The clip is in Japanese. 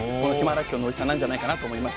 らっきょうのおいしさなんじゃないかなと思いました。